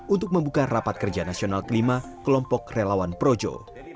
untuk membuka rapat kerja nasional kelima kelompok relawan projo